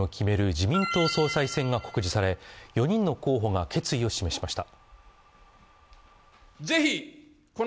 自民党総裁選が告示され４人の候補が決意を示しました。